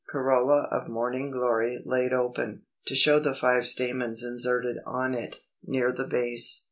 Corolla of Morning Glory laid open, to show the five stamens inserted on it, near the base.